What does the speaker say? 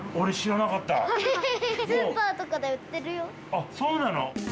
あっそうなの？